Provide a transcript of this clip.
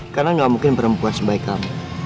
karena gak mungkin perempuan sebaik kamu